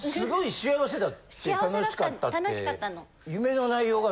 幸せだった楽しかったの。